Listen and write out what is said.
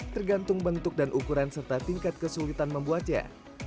tergantung bentuk dan ukuran serta tingkat kesulitan membuatnya